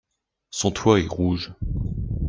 Son toit est rouge.